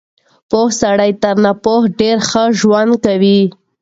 پوه سړی تر ناپوهه ډېر ښه ژوند کوي.